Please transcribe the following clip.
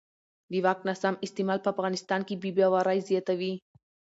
د واک ناسم استعمال په افغانستان کې بې باورۍ زیاتوي